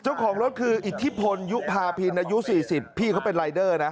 เจ้าของรถคืออิทธิพลยุภาพินอายุ๔๐พี่เขาเป็นรายเดอร์นะ